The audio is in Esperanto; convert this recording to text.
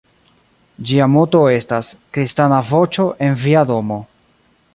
Ĝia moto estas: "Kristana voĉo en via domo".